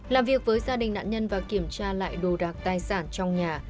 làm việc với gia đình nạn nhân và kiểm tra lại đồ đạc tài sản trong nhà